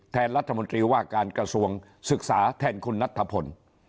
รัฐมนตรีว่าการกระทรวงศึกษาแทนคุณนัทธพล